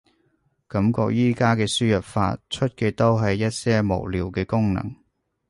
感覺而家嘅輸入法，出嘅都係一些無聊嘅功能